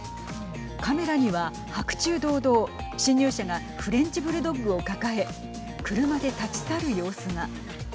カメラには白昼堂々侵入者がフレンチブルドッグを抱え車で立ち去る様子が。